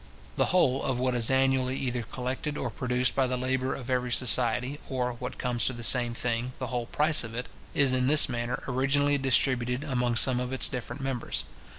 The whole of what is annually either collected or produced by the labour of every society, or, what comes to the same thing, the whole price of it, is in this manner originally distributed among some of its different members.